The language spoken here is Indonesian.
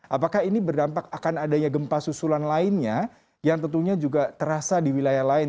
apakah ini berdampak akan adanya gempa susulan lainnya yang tentunya juga terasa di wilayah lain